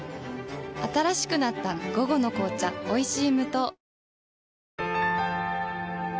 新しくなった「午後の紅茶おいしい無糖」